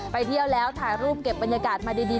เที่ยวแล้วถ่ายรูปเก็บบรรยากาศมาดี